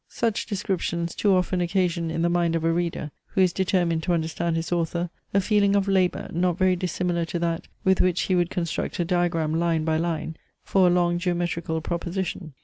Such descriptions too often occasion in the mind of a reader, who is determined to understand his author, a feeling of labour, not very dissimilar to that, with which he would construct a diagram, line by line, for a long geometrical proposition.